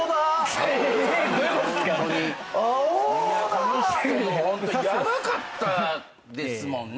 この人もホントヤバかったですもんね。